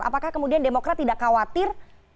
apakah kemudian demokrat tidak khawatir